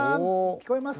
聞こえます。